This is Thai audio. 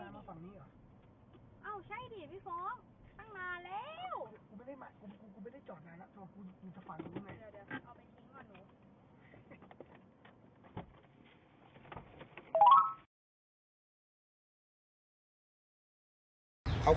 รู้หรือเปล่าว่ะเราว่าไง